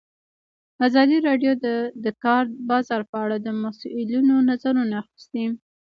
ازادي راډیو د د کار بازار په اړه د مسؤلینو نظرونه اخیستي.